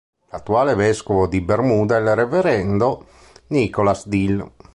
L'attuale vescovo di Bermuda è il reverendo Nicholas Dill.